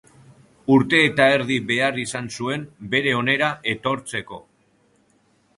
Urte eta erdi behar izan zuen bere onera etortzeko.